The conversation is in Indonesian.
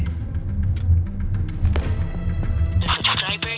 telepon papa nampak